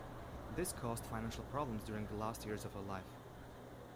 This caused financial problems during the last years of her life.